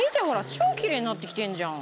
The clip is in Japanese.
超きれいになってきてるじゃん。